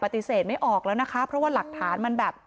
ปฏิเสธไม่ออกแล้วนะคะเพราะว่าหลักฐานมันแบบ